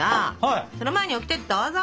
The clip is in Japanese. その前にオキテどうぞ！